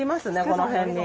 この辺に。